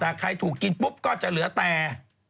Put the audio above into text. แต่ใครถูกกินปุ๊บก็จะเหลือแต่